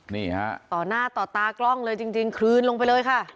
นี่ฮะต่อหน้าต่อตากล้องเลยจริงคลืนลงไปเลยค่ะ